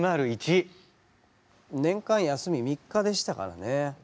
年間休み３日でしたからね。